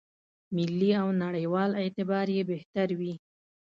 ملي او نړېوال اعتبار یې بهتر وي.